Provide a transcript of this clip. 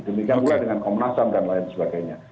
demikian mulai dengan komnasan dan lain sebagainya